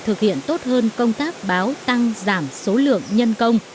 thực hiện tốt hơn công tác báo tăng giảm số lượng nhân công